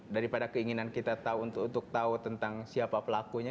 daripada keinginan kita untuk tahu tentang siapa pelakunya